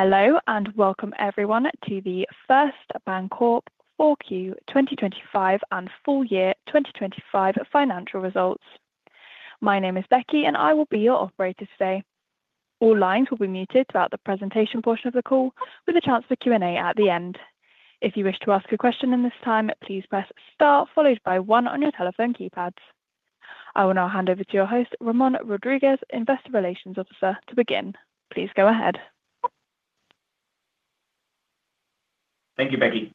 Hello, and welcome everyone to the First BanCorp 4Q 2025 and full year 2025 financial results. My name is Becky, and I will be your operator today. All lines will be muted throughout the presentation portion of the call, with a chance for Q&A at the end. If you wish to ask a question in this time, please press star followed by one on your telephone keypads. I will now hand over to your host, Ramón Rodríguez, Investor Relations Officer, to begin. Please go ahead. Thank you, Becky.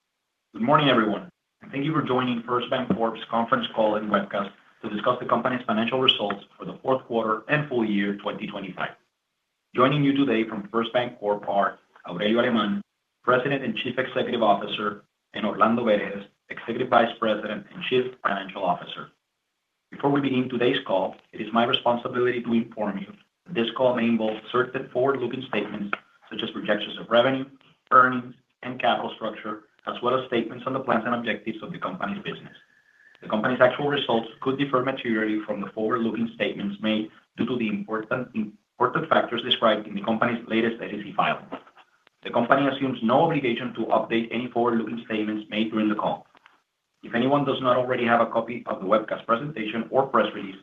Good morning, everyone, and thank you for joining First BanCorp's conference call and webcast to discuss the company's financial results for the Q4 and full year 2025. Joining you today from First BanCorp are Aurelio Alemán, President and Chief Executive Officer, and Orlando Berges, Executive Vice President and Chief Financial Officer. Before we begin today's call, it is my responsibility to inform you this call may involve certain forward-looking statements such as projections of revenue, earnings, and capital structure, as well as statements on the plans and objectives of the company's business. The company's actual results could differ materially from the forward-looking statements made due to the important, important factors described in the company's latest SEC filing. The company assumes no obligation to update any forward-looking statements made during the call. If anyone does not already have a copy of the webcast presentation or press release,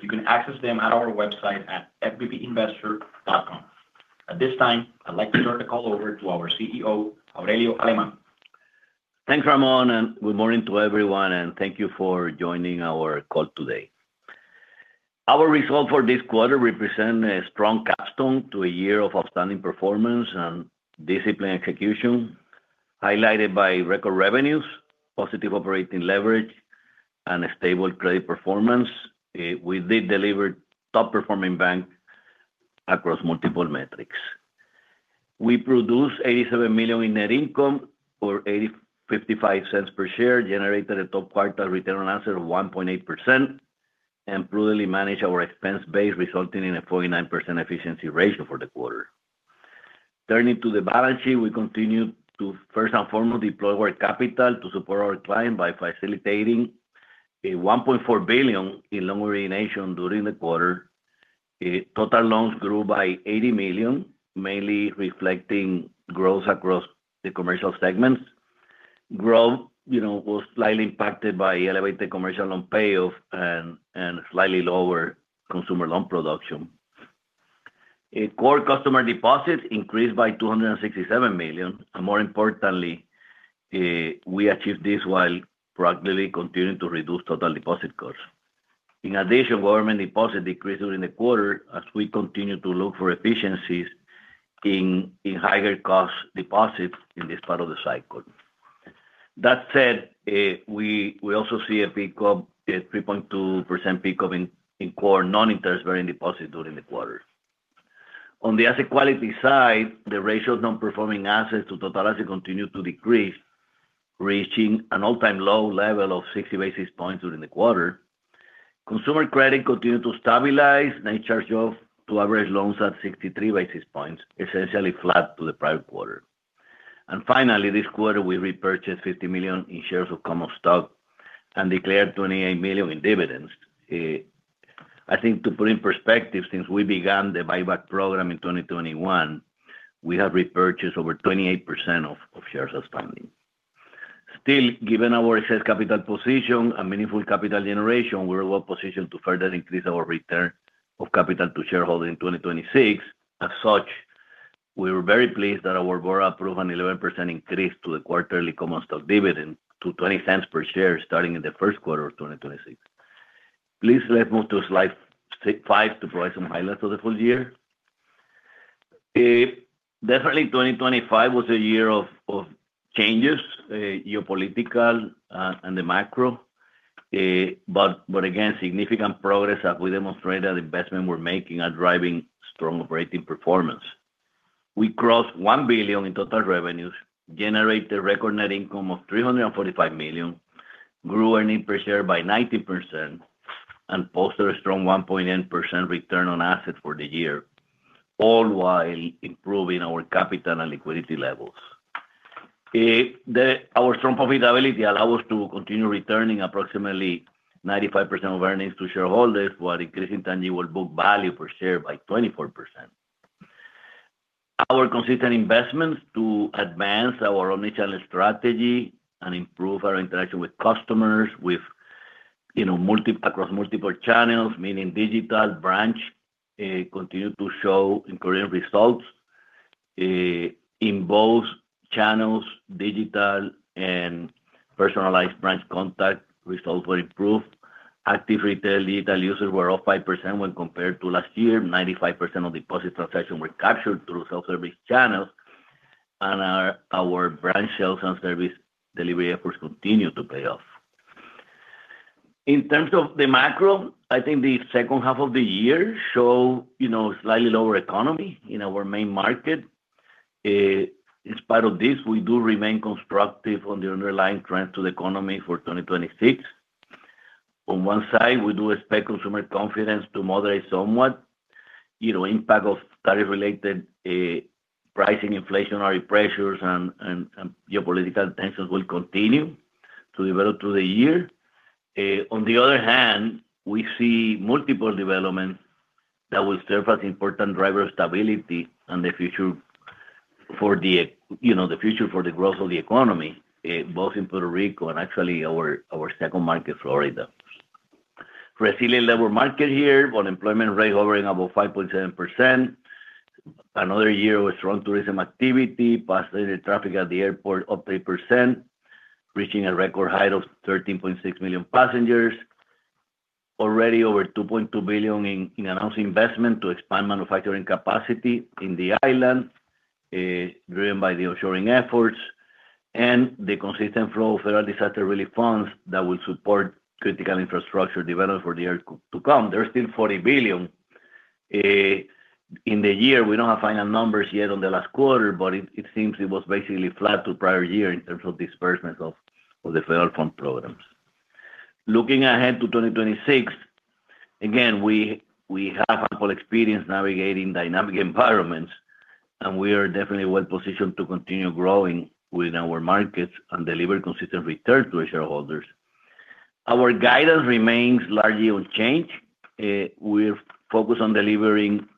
you can access them at our website at fbpinvestor.com. At this time, I'd like to turn the call over to our CEO, Aurelio Alemán. Thanks, Ramón, and good morning to everyone, and thank you for joining our call today. Our results for this quarter represent a strong capstone to a year of outstanding performance and disciplined execution, highlighted by record revenues, positive operating leverage, and a stable credit performance. We did deliver top-performing bank across multiple metrics. We produced $87 million in net income or $0.85 per share, generated a top quarter return on assets of 1.8%, and prudently managed our expense base, resulting in a 49% efficiency ratio for the quarter. Turning to the balance sheet, we continue to first and foremost deploy our capital to support our client by facilitating $1.4 billion in loan origination during the quarter. Total loans grew by $80 million, mainly reflecting growth across the commercial segments. Growth, you know, was slightly impacted by elevated commercial loan payoffs and slightly lower consumer loan production. Core customer deposits increased by $267 million, and more importantly, we achieved this while proactively continuing to reduce total deposit costs. In addition, government deposits decreased during the quarter as we continued to look for efficiencies in higher cost deposits in this part of the cycle. That said, we also see a pickup, a 3.2% pickup in core non-interest-bearing deposits during the quarter. On the asset quality side, the ratio of non-performing assets to total assets continued to decrease, reaching an all-time low level of 60 basis points during the quarter. Consumer credit continued to stabilize, Net charge-offs to average loans at 63 basis points, essentially flat to the prior quarter. Finally, this quarter, we repurchased $50 million in shares of common stock and declared $28 million in dividends. I think to put in perspective, since we began the buyback program in 2021, we have repurchased over 28% of shares outstanding. Still, given our excess capital position and meaningful capital generation, we are well positioned to further increase our return of capital to shareholders in 2026. As such, we were very pleased that our board approved an 11% increase to the quarterly common stock dividend to $0.20 per share, starting in the Q1 of 2026. Please let's move to slide five to provide some highlights of the full year. Definitely, 2025 was a year of changes, geopolitical, and the macro, but again, significant progress that we demonstrated investment we're making are driving strong operating performance. We crossed $1 billion in total revenues, generated a record net income of $345 million, grew earnings per share by 90%, and posted a strong 1.9% return on assets for the year, all while improving our capital and liquidity levels. Our strong profitability allow us to continue returning approximately 95% of earnings to shareholders, while increasing tangible book value per share by 24%. Our consistent investments to advance our omnichannel strategy and improve our interaction with customers with, you know, across multiple channels, meaning digital branch, continued to show encouraging results. In both channels, digital and personalized branch contact results were improved. Active retail digital users were up 5% when compared to last year. 95% of deposit transactions were captured through self-service channels, and our branch sales and service delivery efforts continued to pay off. In terms of the macro, I think the second half of the year show, you know, slightly lower economy in our main market. In spite of this, we do remain constructive on the underlying trends to the economy for 2026. On one side, we do expect consumer confidence to moderate somewhat. You know, impact of tariff-related pricing, inflationary pressures and geopolitical tensions will continue to develop through the year. On the other hand, we see multiple developments that will serve as important driver of stability and the future for the, you know, the future for the growth of the economy, both in Puerto Rico and actually our second market, Florida. Resilient labor market here, unemployment rate hovering about 5.7%. Another year with strong tourism activity, passenger traffic at the airport up 8%, reaching a record high of 13.6 million passengers. Already over $2.2 billion in announced investment to expand manufacturing capacity in the island, driven by the onshoring efforts and the consistent flow of federal disaster relief funds that will support critical infrastructure development for the years to come. There's still $40 billion in the year. We don't have final numbers yet on the last quarter, but it seems it was basically flat to prior year in terms of disbursement of the federal fund programs. Looking ahead to 2026, again, we have a whole experience navigating dynamic environments, and we are definitely well positioned to continue growing within our markets and deliver consistent return to our shareholders. Our guidance remains largely unchanged. We're focused on delivering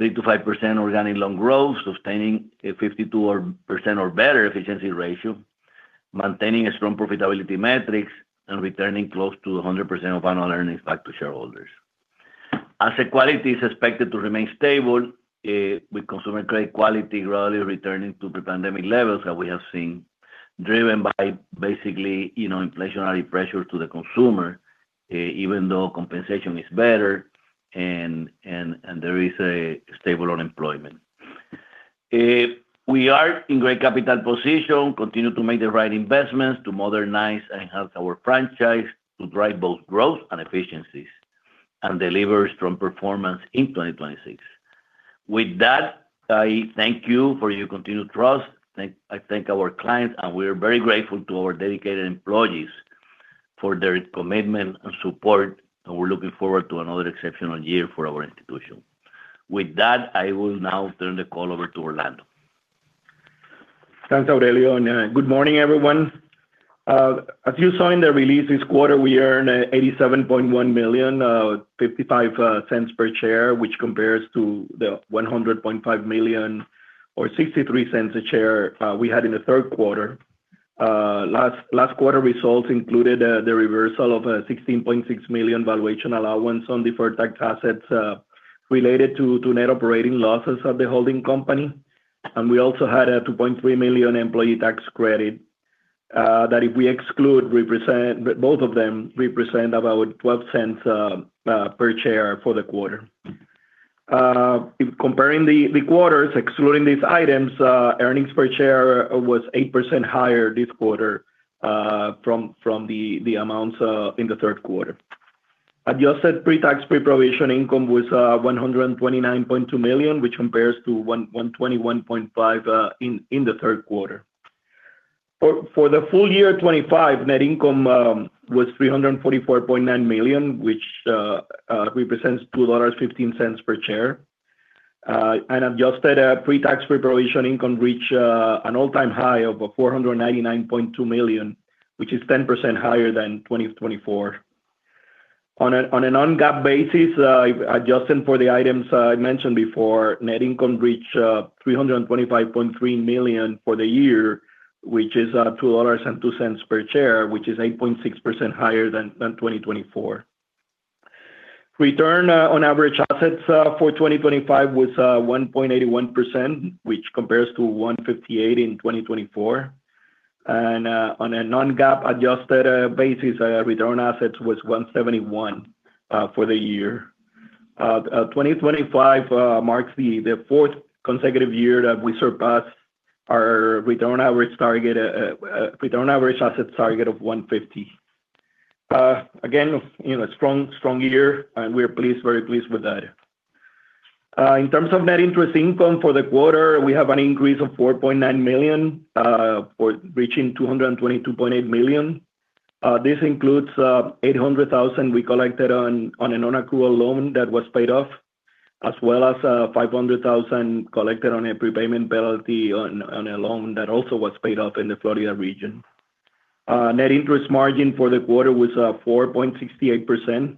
3%-5% organic loan growth, sustaining a 52% or better efficiency ratio, maintaining strong profitability metrics, and returning close to 100% of annual earnings back to shareholders. Asset quality is expected to remain stable, with consumer credit quality gradually returning to pre-pandemic levels that we have seen, driven by basically, you know, inflationary pressure to the consumer, even though compensation is better and there is a stable unemployment. We are in great capital position, continue to make the right investments to modernize and enhance our franchise to drive both growth and efficiencies, and deliver strong performance in 2026. With that, I thank you for your continued trust. I thank our clients, and we are very grateful to our dedicated employees for their commitment and support, and we're looking forward to another exceptional year for our institution. With that, I will now turn the call over to Orlando. Thanks, Aurelio, and good morning, everyone. As you saw in the release, this quarter, we earned $87.1 million, $0.55 per share, which compares to the $100.5 million or 63 cents a share we had in the Q3. Last quarter results included the reversal of a $16.6 million valuation allowance on deferred tax assets related to net operating losses of the holding company. And we also had a $2.3 million employee tax credit that if we exclude, represent—both of them represent about $0.12 per share for the quarter. Comparing the quarters, excluding these items, earnings per share was 8% higher this quarter from the amounts in the Q3. Adjusted pre-tax, pre-provision income was $129.2 million, which compares to $121.5 million in the Q3. For the full year 2025, net income was $344.9 million, which represents $2.15 per share. And adjusted pre-tax, pre-provision income reached an all-time high of $499.2 million, which is 10% higher than 2024. On a non-GAAP basis, adjusting for the items I mentioned before, net income reached $325.3 million for the year, which is $2.02 per share, which is 8.6% higher than 2024. Return on average assets for 2025 was 1.81%, which compares to 1.58% in 2024. On a non-GAAP adjusted basis, return on assets was 1.71% for the year. 2025 marks the fourth consecutive year that we surpassed our return on average target, return on average assets target of 1.50%. Again, you know, strong, strong year, and we are pleased, very pleased with that. In terms of net interest income for the quarter, we have an increase of $4.9 million for reaching $222.8 million. This includes $800,000 we collected on a non-accrual loan that was paid off, as well as $500,000 collected on a prepayment penalty on a loan that also was paid off in the Florida region. Net interest margin for the quarter was 4.68%,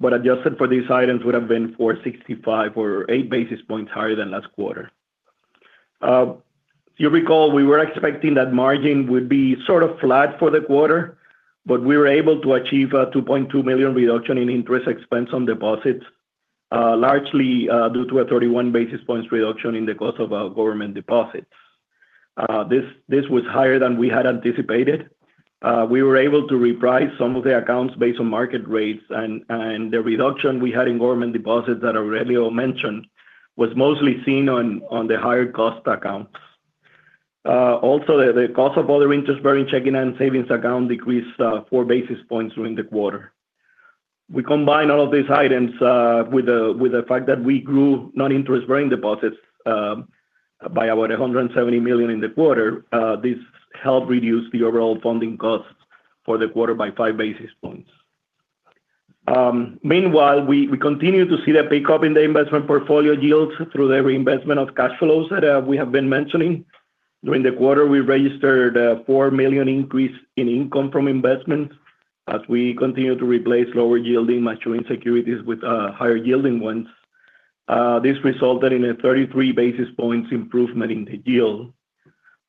but adjusted for these items would have been 4.65% or 8 basis points higher than last quarter. If you recall, we were expecting that margin would be sort of flat for the quarter, but we were able to achieve a $2.2 million reduction in interest expense on deposits, largely due to a 31 basis points reduction in the cost of our government deposits. This was higher than we had anticipated. We were able to reprice some of the accounts based on market rates, and the reduction we had in government deposits that Aurelio mentioned was mostly seen on the higher cost accounts. Also, the cost of other interest-bearing checking and savings account decreased four basis points during the quarter. We combine all of these items with the fact that we grew non-interest bearing deposits by about $170 million in the quarter. This helped reduce the overall funding costs for the quarter by five basis points. Meanwhile, we continue to see the pickup in the investment portfolio yields through the reinvestment of cash flows that we have been mentioning. During the quarter, we registered $4 million increase in income from investments as we continue to replace lower yielding maturing securities with higher yielding ones. This resulted in a 33 basis points improvement in the yield.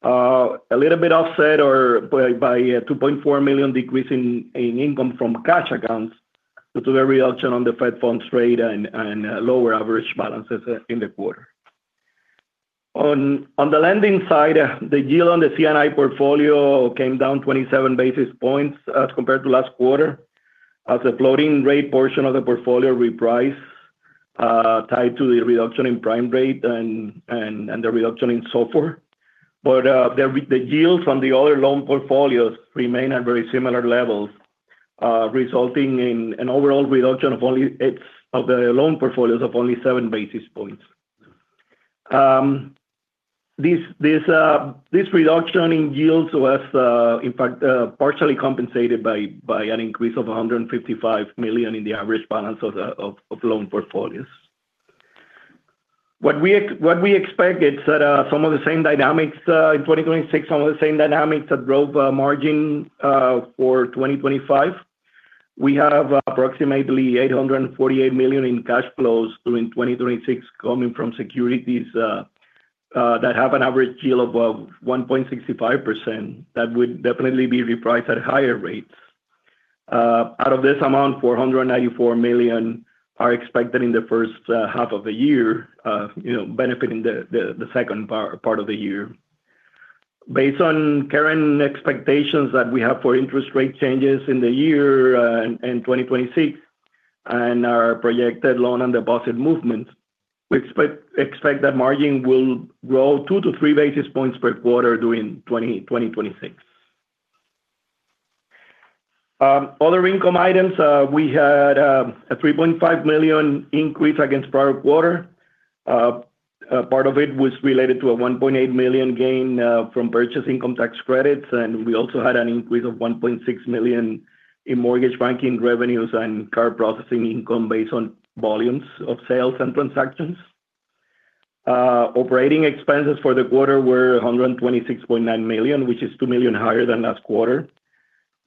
A little bit offset by $2.4 million decrease in income from cash accounts due to the reduction on the Fed funds rate and lower average balances in the quarter. On the lending side, the yield on the C&I portfolio came down 27 basis points as compared to last quarter, as the floating rate portion of the portfolio reprice tied to the reduction in prime rate and the reduction in SOFR. But, the yields from the other loan portfolios remain at very similar levels, resulting in an overall reduction of only seven basis points. This reduction in yields was, in fact, partially compensated by an increase of $155 million in the average balance of the loan portfolios. What we expect is that some of the same dynamics in 2026, some of the same dynamics that drove margin for 2025. We have approximately $848 million in cash flows during 2026, coming from securities that have an average yield of 1.65%. That would definitely be repriced at higher rates. Out of this amount, $494 million are expected in the first half of the year, you know, benefiting the second part of the year. Based on current expectations that we have for interest rate changes in the year, in 2026, and our projected loan and deposit movements, we expect that margin will grow 2-3 basis points per quarter during 2026. Other income items, we had a $3.5 million increase against prior quarter. A part of it was related to a $1.8 million gain from purchase income tax credits, and we also had an increase of $1.6 million in mortgage banking revenues and card processing income based on volumes of sales and transactions. Operating expenses for the quarter were $126.9 million, which is $2 million higher than last quarter.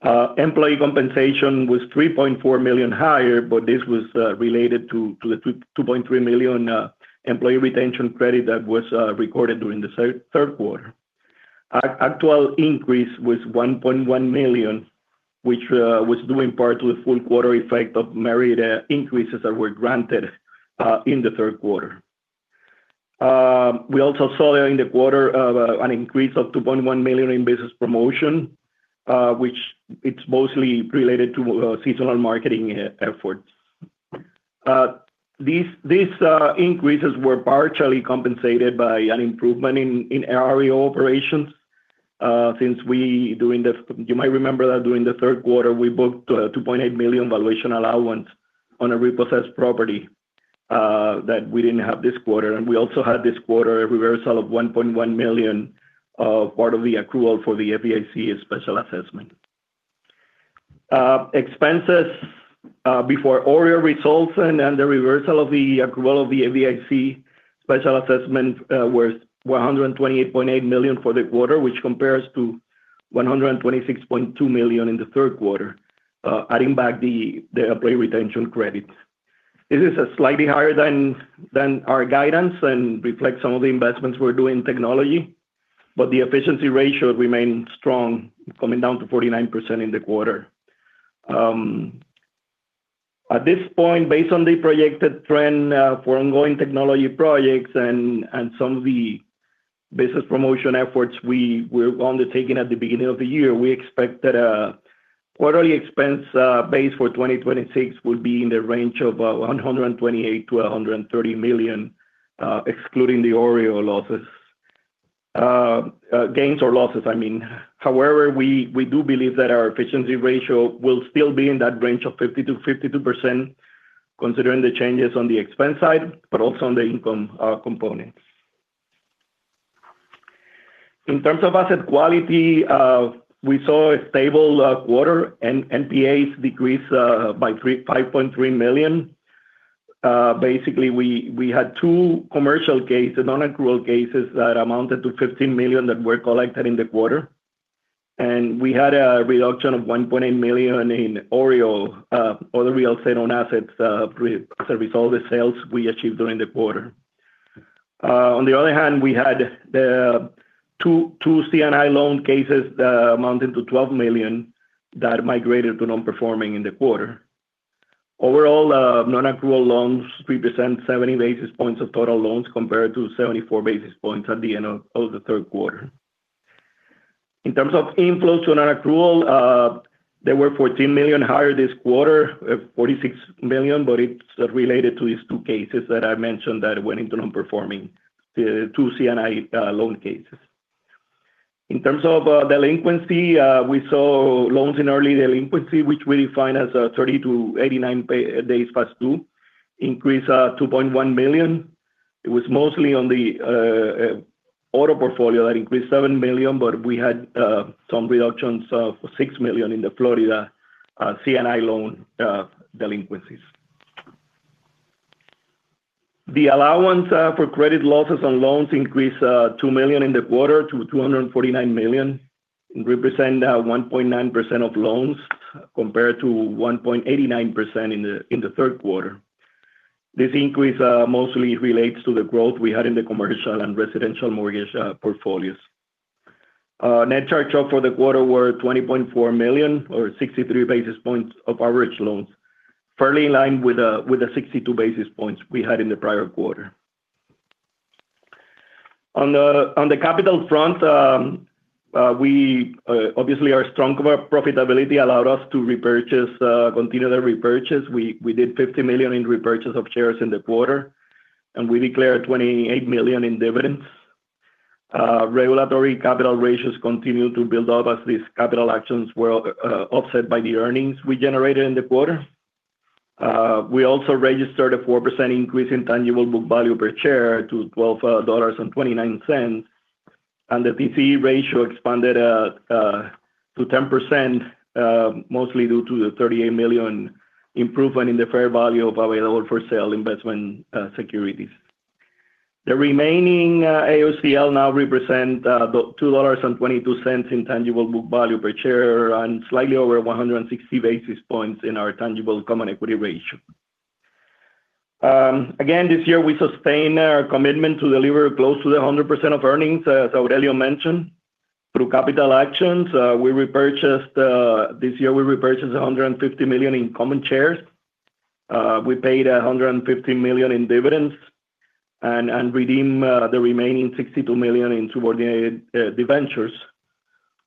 Employee compensation was $3.4 million higher, but this was related to the $2.3 million employee retention credit that was recorded during the Q3. Actual increase was $1.1 million, which was due in part to a full quarter effect of merit increases that were granted in the Q3. We also saw in the quarter an increase of $2.1 million in business promotion, which it's mostly related to seasonal marketing efforts. These increases were partially compensated by an improvement in OREO operations, since during the Q3, you might remember that we booked a $2.8 million valuation allowance on a repossessed property that we didn't have this quarter. And we also had this quarter, a reversal of $1.1 million, part of the accrual for the FDIC special assessment. Expenses before OREO results and the reversal of the accrual of the FDIC special assessment were $128.8 million for the quarter, which compares to $126.2 million in the Q3, adding back the employee retention credit. This is slightly higher than our guidance and reflects some of the investments we're doing in technology, but the efficiency ratio remained strong, coming down to 49% in the quarter. At this point, based on the projected trend for ongoing technology projects and some of the business promotion efforts we were undertaking at the beginning of the year, we expect that quarterly expense base for 2026 will be in the range of $128 million-$130 million, excluding the OREO gains or losses, I mean. However, we do believe that our efficiency ratio will still be in that range of 50%-52%, considering the changes on the expense side, but also on the income components. In terms of asset quality, we saw a stable quarter, and NPAs decreased by $5.3 million. Basically, we had two commercial cases, non-accrual cases, that amounted to $15 million that were collected in the quarter. And we had a reduction of $1.8 million in OREO, other real estate owned, as a result of the sales we achieved during the quarter. On the other hand, we had two C&I loan cases that amounted to $12 million that migrated to non-performing in the quarter. Overall, non-accrual loans represent 70 basis points of total loans, compared to 74 basis points at the end of the Q3. In terms of inflows to non-accrual, they were $14 million higher this quarter, $46 million, but it's related to these two cases that I mentioned that went into non-performing, the two C&I loan cases. In terms of delinquency, we saw loans in early delinquency, which we define as 30-89 days past due, increase $2.1 million. It was mostly on the auto portfolio that increased $7 million, but we had some reductions of $6 million in the Florida C&I loan delinquencies. The allowance for credit losses on loans increased $2 million in the quarter to $249 million, and represent 1.9% of loans, compared to 1.89% in the Q3. This increase mostly relates to the growth we had in the commercial and residential mortgage portfolios. Net charge-offs for the quarter were $20.4 million or 63 basis points of average loans, fairly in line with the 62 basis points we had in the prior quarter. On the capital front, we obviously, our strong quarter profitability allowed us to continue the repurchase. We did $50 million in repurchase of shares in the quarter, and we declared $28 million in dividends. Regulatory capital ratios continued to build up as these capital actions were offset by the earnings we generated in the quarter. We also registered a 4% increase in tangible book value per share to $12.29, and the TCE ratio expanded to 10%, mostly due to the $38 million improvement in the fair value of available-for-sale investment securities. The remaining AOCL now represent $2.22 in tangible book value per share, and slightly over 160 basis points in our tangible common equity ratio. Again, this year, we sustained our commitment to deliver close to the 100% of earnings, as Aurelio mentioned. Through capital actions, this year, we repurchased $150 million in common shares. We paid $150 million in dividends and redeemed the remaining $62 million in subordinated debentures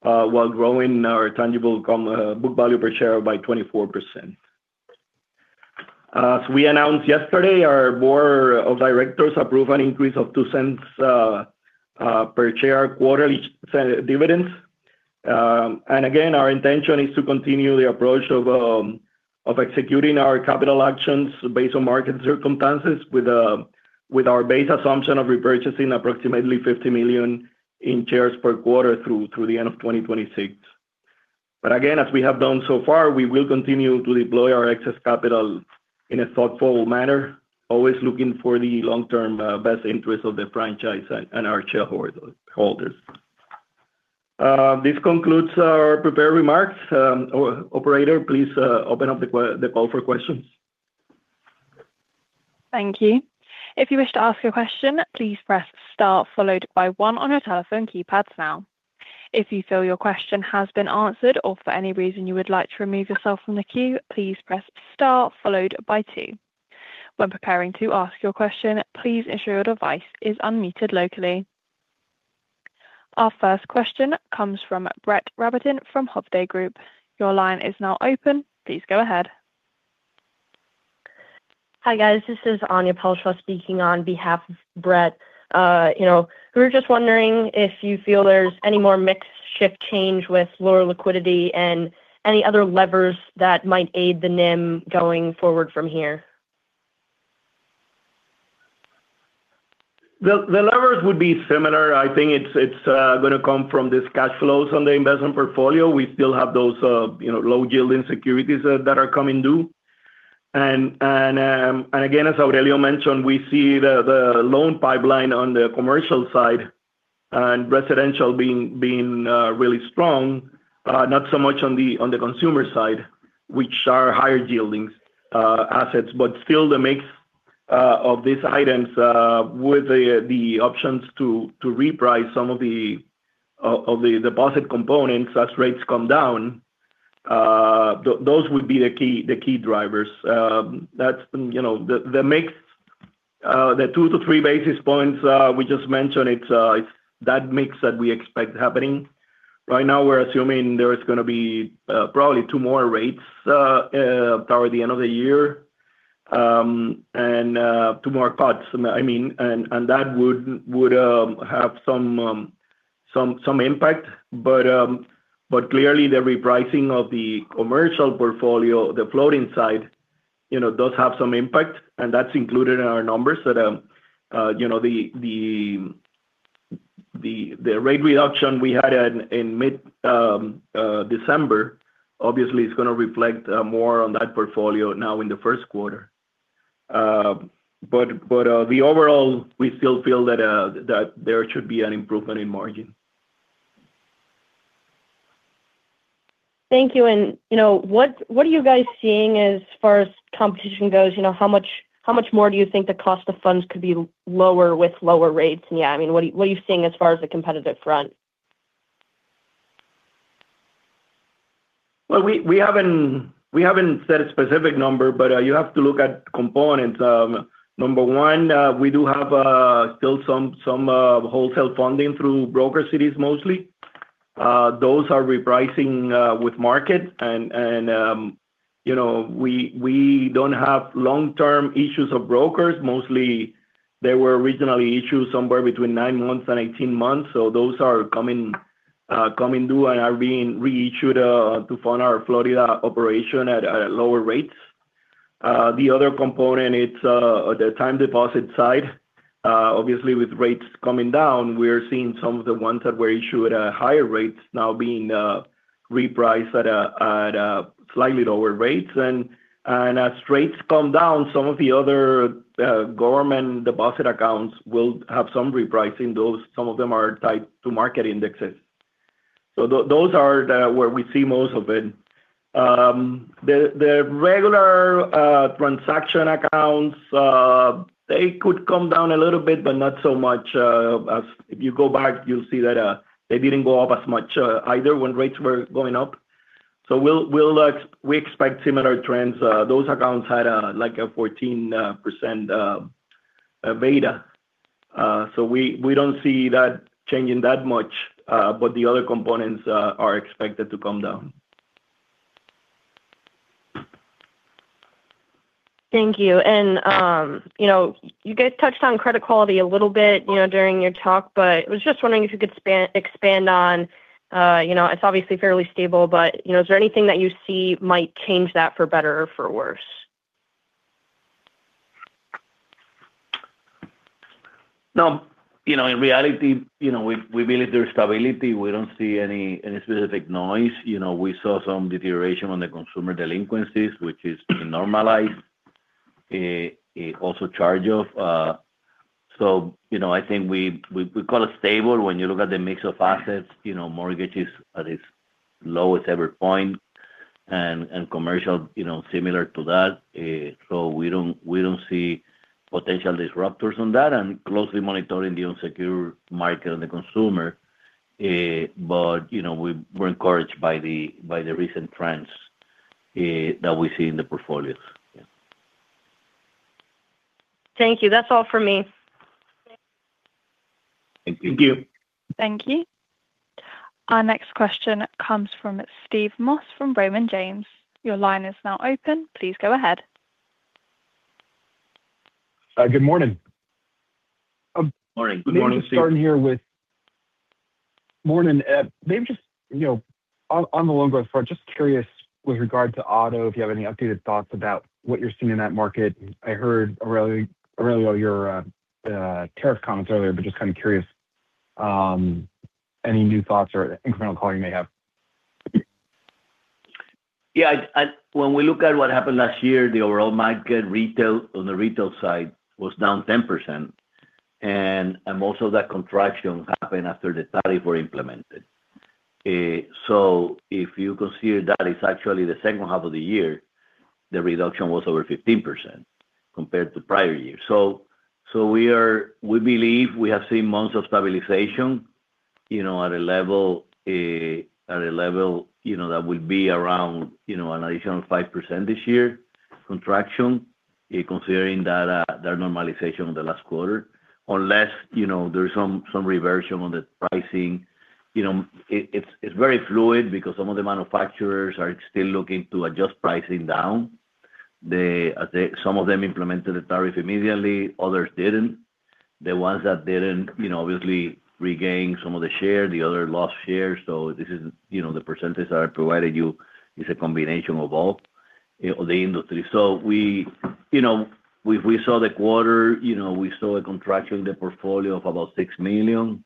while growing our tangible book value per share by 24%. As we announced yesterday, our board of directors approved an increase of $0.02 per share quarterly dividends. And again, our intention is to continue the approach of executing our capital actions based on market circumstances with our base assumption of repurchasing approximately $50 million in shares per quarter through the end of 2026. But again, as we have done so far, we will continue to deploy our excess capital in a thoughtful manner, always looking for the long-term best interest of the franchise and our shareholders. This concludes our prepared remarks. Operator, please open up the call for questions. Thank you. If you wish to ask a question, please press star followed by one on your telephone keypads now. If you feel your question has been answered or for any reason you would like to remove yourself from the queue, please press star followed by two. When preparing to ask your question, please ensure your device is unmuted locally. Our first question comes from Brett Rabotin from Hovde Group. Your line is now open. Please go ahead. Hi, guys. This is Anya Pelshaw speaking on behalf of Brett. You know, we were just wondering if you feel there's any more mix shift change with lower liquidity and any other levers that might aid the NIM going forward from here? The levers would be similar. I think it's gonna come from these cash flows on the investment portfolio. We still have those, you know, low-yielding securities that are coming due. And again, as Aurelio mentioned, we see the loan pipeline on the commercial side and residential being really strong, not so much on the consumer side, which are higher-yielding assets. But still, the mix of these items with the options to reprice some of the deposit components as rates come down, those would be the key drivers. That's, you know, the mix, the two to three basis points we just mentioned, it's that mix that we expect happening. Right now, we're assuming there is gonna be probably two more rates toward the end of the year, and two more cuts. I mean, and that would have some impact. But clearly, the repricing of the commercial portfolio, the floating side, you know, does have some impact, and that's included in our numbers. So, you know, the rate reduction we had in mid December, obviously, is gonna reflect more on that portfolio now in the Q1. But the overall, we still feel that there should be an improvement in margin. Thank you. And, you know, what, what are you guys seeing as far as competition goes? You know, how much, how much more do you think the cost of funds could be lower with lower rates? And, yeah, I mean, what are, what are you seeing as far as the competitive front? Well, we haven't set a specific number, but you have to look at components. Number one, we do have still some wholesale funding through brokered CDs mostly. Those are repricing with market and you know, we don't have long-term issues of brokered CDs. Mostly, they were originally issued somewhere between 9 months and 18 months, so those are coming-... coming due and are being reissued, to fund our Florida operation at, at lower rates. The other component, it's, the time deposit side. Obviously, with rates coming down, we're seeing some of the ones that were issued at higher rates now being, repriced at a, at a slightly lower rates. And as rates come down, some of the other, government deposit accounts will have some repricing. Those, some of them are tied to market indexes. So those are the, where we see most of it. The regular, transaction accounts, they could come down a little bit, but not so much, as-- If you go back, you'll see that, they didn't go up as much, either, when rates were going up. So we'll, we expect similar trends. Those accounts had like a 14% beta. So we don't see that changing that much, but the other components are expected to come down. Thank you. And, you know, you guys touched on credit quality a little bit, you know, during your talk, but I was just wondering if you could expand on, you know, it's obviously fairly stable, but, you know, is there anything that you see might change that for better or for worse? No, you know, in reality, you know, we believe there's stability. We don't see any specific noise. You know, we saw some deterioration on the consumer delinquencies, which is normalized, also charge-offs. So, you know, I think we call it stable. When you look at the mix of assets, you know, mortgages at its lowest ever point and commercial, you know, similar to that, so we don't see potential disruptors on that, and closely monitoring the unsecured market and the consumer, but, you know, we're encouraged by the recent trends that we see in the portfolios. Yeah. Thank you. That's all for me. Thank you. Thank you. Our next question comes from Steve Moss from Raymond James. Your line is now open. Please go ahead. Good morning. Morning. Good morning, Steve. Morning, maybe just, you know, on the loan growth part, just curious with regard to auto, if you have any updated thoughts about what you're seeing in that market. I heard earlier, earlier your tariff comments earlier, but just kind of curious, any new thoughts or incremental call you may have? Yeah, I-- when we look at what happened last year, the overall market retail, on the retail side was down 10%, and most of that contraction happened after the tariffs were implemented. So if you consider that is actually the second half of the year, the reduction was over 15% compared to prior years. So we believe we have seen months of stabilization, you know, at a level, at a level, you know, that will be around, you know, an additional 5% this year, contraction, considering that, the normalization of the last quarter, unless, you know, there is some, some reversion on the pricing. You know, it, it's, it's very fluid because some of the manufacturers are still looking to adjust pricing down. They, they-- some of them implemented the tariff immediately, others didn't. The ones that didn't, you know, obviously regained some of the share, the other lost shares. So this is, you know, the percentages I provided you is a combination of all, the industry. So we, you know, we, we saw the quarter, you know, we saw a contraction in the portfolio of about $6 million,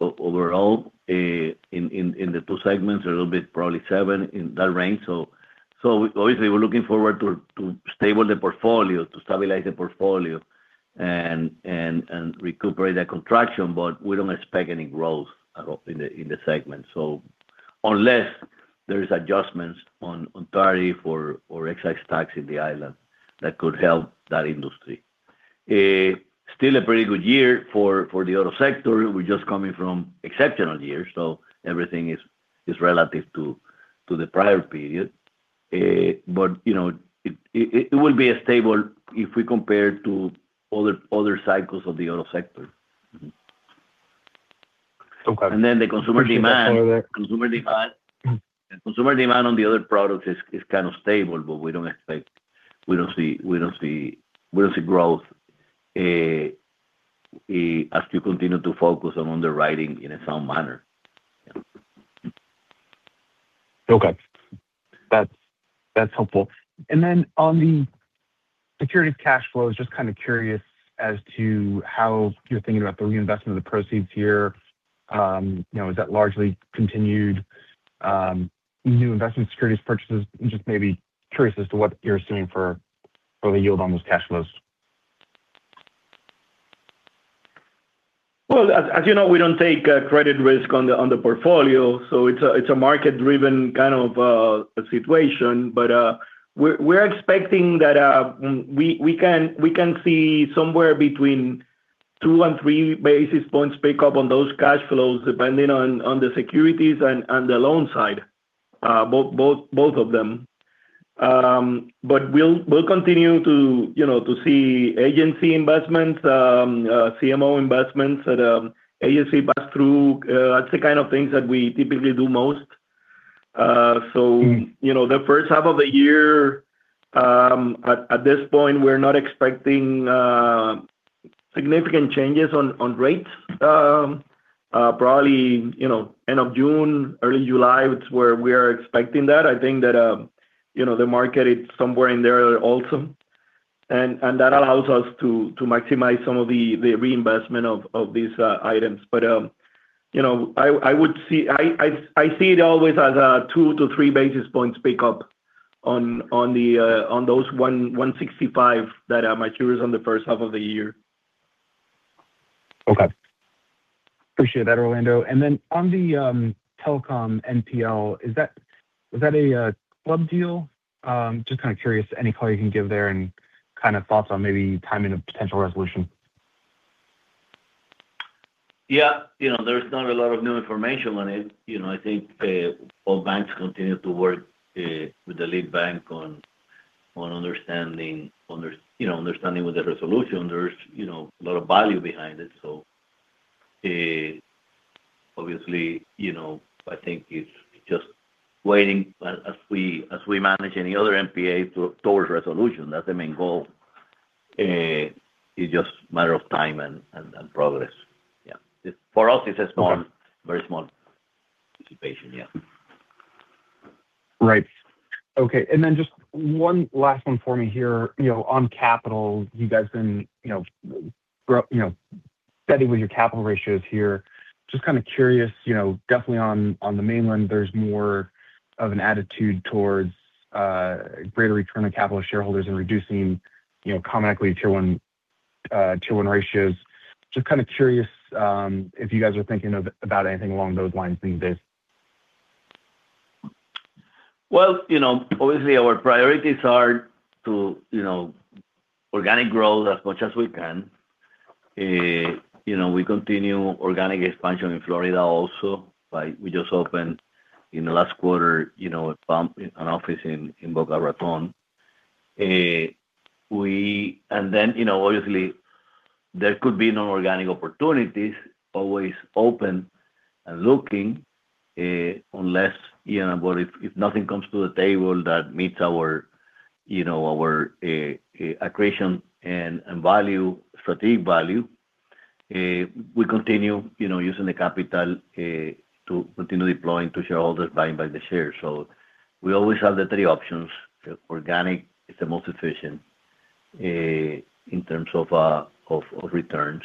overall, in the two segments, a little bit, probably $7 million in that range. So, so obviously, we're looking forward to, to stable the portfolio, to stabilize the portfolio and, and, and recuperate that contraction, but we don't expect any growth at all in the, in the segment. So unless there is adjustments on, on tariff or, or excise tax in the island, that could help that industry. Still a pretty good year for, for the auto sector. We're just coming from exceptional years, so everything is relative to the prior period. But, you know, it will be stable if we compare to other cycles of the auto sector. Mm-hmm. Okay. And then the consumer demand-... Consumer demand on the other products is kind of stable, but we don't expect, we don't see growth as you continue to focus on underwriting in a sound manner. Okay. That's helpful. And then on the securities cash flows, just kind of curious as to how you're thinking about the reinvestment of the proceeds here. You know, is that largely continued new investment securities purchases? Just maybe curious as to what you're assuming for the yield on those cash flows. Well, as you know, we don't take credit risk on the portfolio, so it's a market-driven kind of situation. But, we're expecting that we can see somewhere between two and three basis points pick up on those cash flows, depending on the securities and the loan side, both of them. But we'll continue to, you know, to see agency investments, CMO investments at agency pass-through. That's the kind of things that we typically do most. So, you know, the first half of the year, at this point, we're not expecting significant changes on rates. Probably, you know, end of June, early July, it's where we are expecting that. I think that, you know, the market is somewhere in there also, and that allows us to maximize some of the reinvestment of these items. But, you know, I see it always as a 2-3 basis points pick up on those 1.165 that are maturing on the first half of the year. Okay. Appreciate that, Orlando. And then on the telecom NPL, is that, was that a club deal? Just kind of curious, any color you can give there and kind of thoughts on maybe timing of potential resolution. Yeah. You know, there's not a lot of new information on it. You know, I think all banks continue to work with the lead bank on understanding, you know, understanding what the resolution, there's, you know, a lot of value behind it. So, obviously, you know, I think it's just waiting as we, as we manage any other NPA towards resolution, that's the main goal. It's just matter of time and progress. Yeah. For us, it's a small- Okay. Very small participation. Yeah. Right. Okay, and then just one last one for me here. You know, on capital, you guys been, you know, grow, you know, steady with your capital ratios here. Just kind of curious, you know, definitely on the mainland, there's more of an attitude towards greater return on capital shareholders and reducing, you know, common equity tier one, tier one ratios. Just kind of curious, if you guys are thinking about anything along those lines these days? Well, you know, obviously, our priorities are to, you know, organic growth as much as we can. You know, we continue organic expansion in Florida also, but we just opened in the last quarter, you know, a new branch office in Boca Raton. And then, you know, obviously, there could be non-organic opportunities, always open and looking, unless, you know, but if nothing comes to the table that meets our, you know, our accretion and value, strategic value, we continue, you know, using the capital to continue deploying to shareholders, buying back the shares. So we always have the three options. Organic is the most efficient in terms of returns.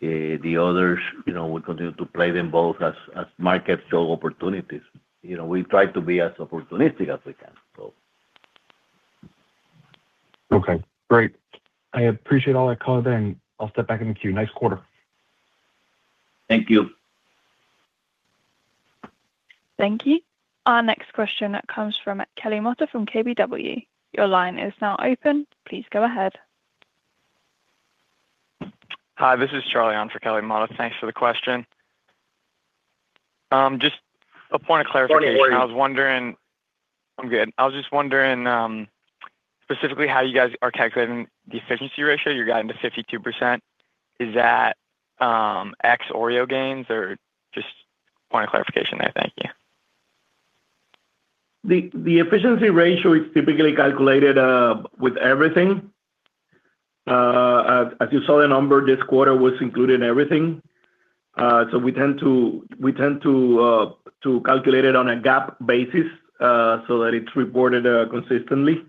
The others, you know, we continue to play them both as markets show opportunities. You know, we try to be as opportunistic as we can, so. Okay, great. I appreciate all that color, and I'll step back in the queue. Nice quarter. Thank you. Thank you. Our next question comes from Kelly Motta from KBW. Your line is now open. Please go ahead. Hi, this is Charlie on for Kelly Motta. Thanks for the question. Just a point of clarification. Good morning. I was wondering... I'm good. I was just wondering, specifically how you guys are calculating the efficiency ratio, you got into 52%. Is that, ex-OREO gains or just point of clarification there? Thank you. The efficiency ratio is typically calculated with everything. As you saw, the number this quarter was included in everything. So we tend to calculate it on a GAAP basis, so that it's reported consistently.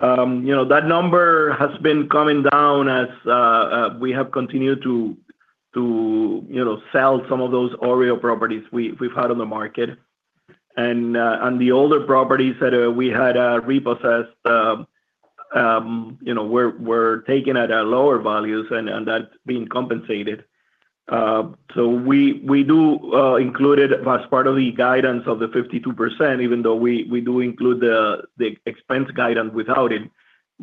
You know, that number has been coming down as we have continued to, you know, sell some of those OREO properties we've had on the market. And the older properties that we had repossessed, you know, were taken at lower values, and that's being compensated. So we do include it as part of the guidance of the 52%, even though we do include the expense guidance without it,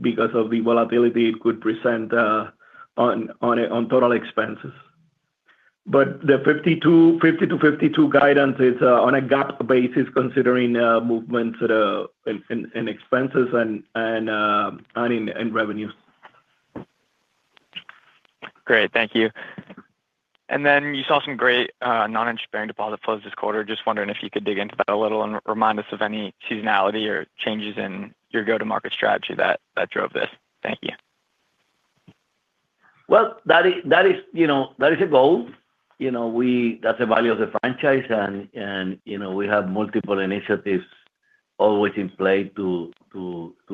because of the volatility it could present on total expenses. But the 52, 50-52 guidance is on a GAAP basis, considering movements in expenses and earnings and revenues. Great. Thank you. And then you saw some great non-interest-bearing deposit flows this quarter. Just wondering if you could dig into that a little and remind us of any seasonality or changes in your go-to-market strategy that drove this. Thank you. Well, that is, you know, that is a goal. You know, we-- that's the value of the franchise and, and, you know, we have multiple initiatives always in play to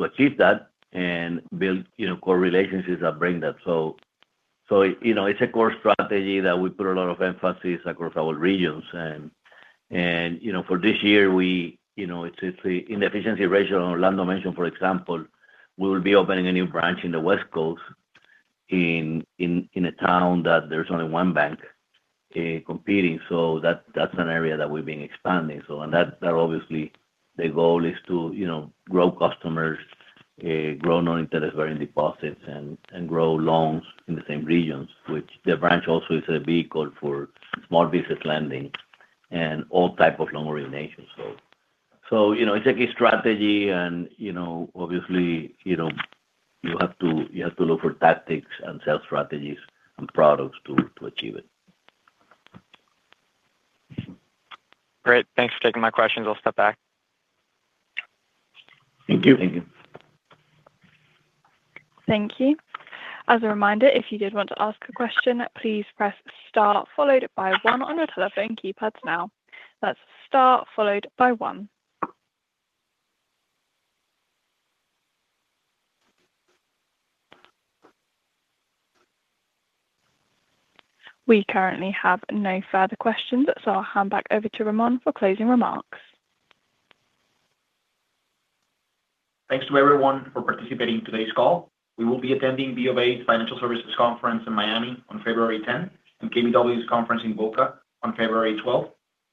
achieve that and build, you know, core relationships that bring that. So, you know, it's a core strategy that we put a lot of emphasis across our regions. And, you know, for this year, you know, it's in the efficiency ratio, Orlando mentioned, for example, we will be opening a new branch in the West Coast in a town that there's only one bank competing. So that, that's an area that we've been expanding. That obviously the goal is to, you know, grow customers, grow non-interest-bearing deposits and grow loans in the same regions, which the branch also is a vehicle for small business lending and all type of loan originations. So, you know, it's a key strategy and, you know, obviously, you know, you have to look for tactics and sales strategies and products to achieve it. Great. Thanks for taking my questions. I'll step back. Thank you. Thank you. Thank you. As a reminder, if you did want to ask a question, please press star followed by one on your telephone keypads now. That's star followed by one. We currently have no further questions, so I'll hand back over to Ramón for closing remarks. Thanks to everyone for participating in today's call. We will be attending BofA Financial Services Conference in Miami on February 10th, and KBW's conference in Boca on February 12th.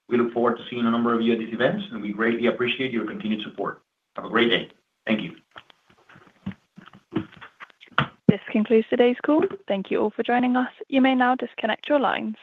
We look forward to seeing a number of you at these events, and we greatly appreciate your continued support. Have a great day. Thank you. This concludes today's call. Thank you all for joining us. You may now disconnect your lines.